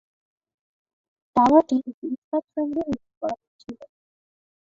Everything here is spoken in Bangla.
টাওয়ারটি একটি ইস্পাত ফ্রেম দিয়ে নির্মাণ করা হয়েছিল।